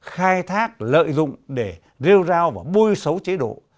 khai thác lợi dụng để rêu rao và bôi xấu chế độ